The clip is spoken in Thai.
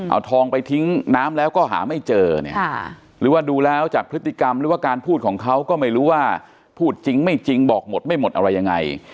เอาทองไปทิ้งน้ำแล้วก็หาไม่เจอเนี่ยหรือว่าดูแล้วจากพฤติกรรมหรือว่าการพูดของเขาก็ไม่รู้ว่าพูดจริงไม่จริงบอกหมดไม่หมดอะไรยังไง